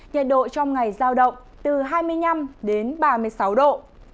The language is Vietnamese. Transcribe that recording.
nhiệt độ trong ngày giao động từ hai mươi năm đến ba mươi sáu độ